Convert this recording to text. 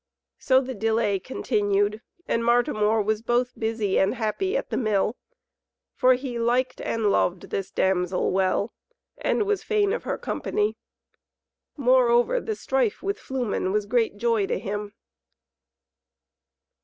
So the delay continued, and Martimor was both busy and happy at the Mill, for he liked and loved this damsel well, and was fain of her company. Moreover the strife with Flumen was great joy to him.